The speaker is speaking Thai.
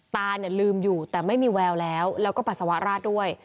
ตาเนี่ยลืมอยู่แต่ไม่มีแววแล้วแล้วก็ปัสสาวะราดด้วย